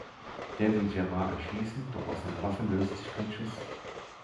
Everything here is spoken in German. Der will Gerard erschießen, doch aus seiner Waffe löst sich kein Schuss.